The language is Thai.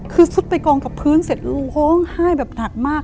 คือซุดไปกองกับพื้นเสร็จลูกร้องไห้แบบหนักมาก